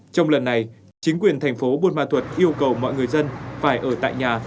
trong lần này chính quyền thành phố buôn ma thuật yêu cầu mọi người dân phải ở tại nhà